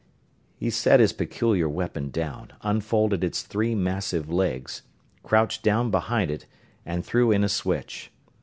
He set his peculiar weapon down, unfolded its three massive legs, crouched down behind it and threw in a switch.